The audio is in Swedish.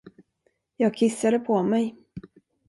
Jag kissade på mig.